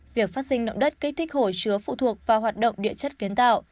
việc phát sinh động đất kích thích hồ chứa phụ thuộc vào hoạt động địa chất kiến tạo